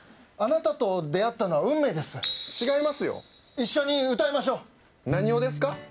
あなたと出会ったのは運命です違いますよ一緒に歌いましょう何をですか？